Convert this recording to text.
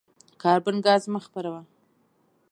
کاربن ګاز مه خپروه.